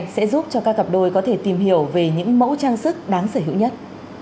sẽ giúp cho các cặp đôi có thể tìm hiểu về những mẫu trang sức đáng sở hữu nhất